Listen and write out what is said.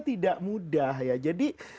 tidak mudah jadi